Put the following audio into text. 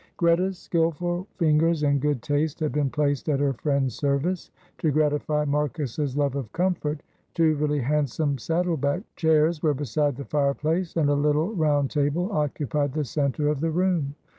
Greta's skilful fingers and good taste had been placed at her friend's service. To gratify Marcus's love of comfort two really handsome saddle back chairs were beside the fireplace, and a little round table occupied the centre of the room.